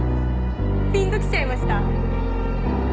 ピンと来ちゃいました？